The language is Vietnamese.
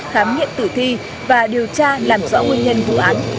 khám nghiệm tử thi và điều tra làm rõ nguyên nhân vụ án